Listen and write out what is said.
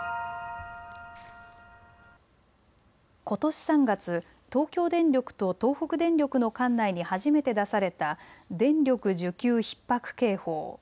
ことし３月、東京電力と東北電力の管内に初めて出された電力需給ひっ迫警報。